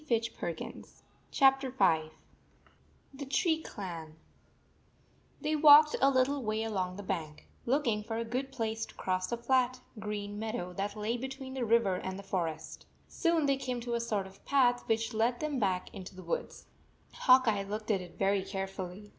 V THE TREE CLAN V THE TREE CLAN THEY walked a little way along the bank, looking for a good place to cross the flat, green meadow that lay between the river and the forest. Soon they came to a sort of path which led back into the woods. Hawk Eye looked at it very carefully.